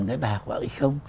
cái bài học ấy không